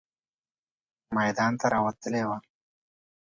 میدان ته راوتلې وه.